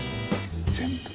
全部。